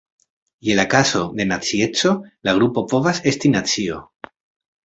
Je la kazo de nacieco la grupo povas esti nacio.